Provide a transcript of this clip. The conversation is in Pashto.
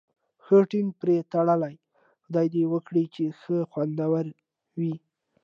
ښه ټینګ پرې تړلی، خدای دې وکړي چې ښه خوندور وي.